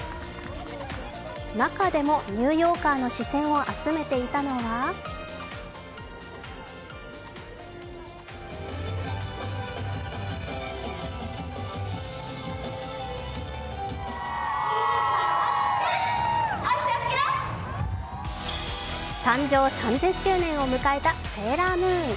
中でもニューヨーカーの視線を集めていたのは誕生３０周年を迎えたセーラームーン。